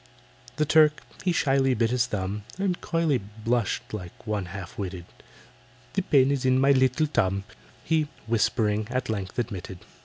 The Turk he shyly bit his thumb, And coyly blushed like one half witted, "The pain is in my little tum," He, whispering, at length admitted.